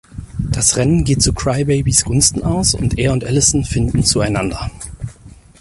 Das Rennen geht zu Cry-Babys Gunsten aus und er und Allison finden zueinander.